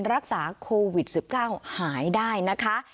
รักษาโควิด๑๙หายได้นะคะ